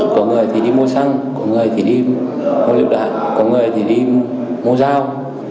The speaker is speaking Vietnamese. có người thì đi mua xăng có người thì đi mua liệu đạn có người thì đi mua dao